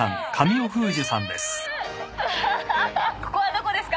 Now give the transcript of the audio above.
ここはどこですか？